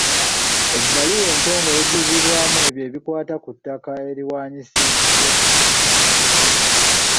Ebbaluwa entongole ejjuzibwamu ebyo ebikwata ku ttaka eriwaanyisibwa.